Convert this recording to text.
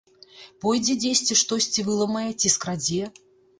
Пойдзе дзесьці штосьці выламае ці скрадзе?